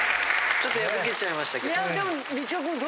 ちょっと破けちゃいましたけど。